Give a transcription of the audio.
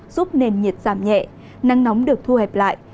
giúp nền nhiệt giảm nhẹ nắng nóng được thu hẹp lại